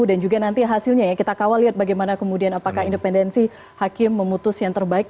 dan juga nanti hasilnya ya kita kawal lihat bagaimana kemudian apakah independensi hakim memutus yang terbaik